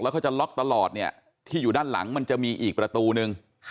เขาจะล็อกตลอดเนี่ยที่อยู่ด้านหลังมันจะมีอีกประตูนึง